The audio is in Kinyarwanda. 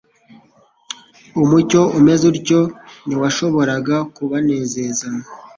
Umucyo umeze utyo ntiwashoboraga kubanezeza.